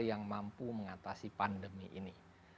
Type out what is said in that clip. yang mampu mengatasi pandemi ini